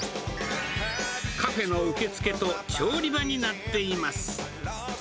カフェの受付と調理場になっています。